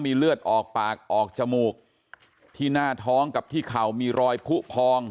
เลือดออกปากออกจมูกที่หน้าท้องกับที่เข่ามีรอยผู้พอง